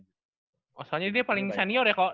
oh soalnya dia paling senior ya kok